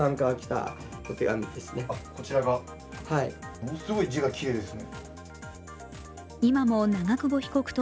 ものすごい字がきれいですね。